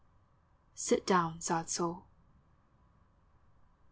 SIT DOWN, SAD SOUL.